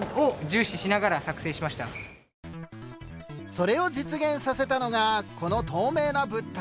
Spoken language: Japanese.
それを実現させたのがこの透明な物体。